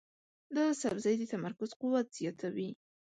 دا سبزی د تمرکز قوت زیاتوي.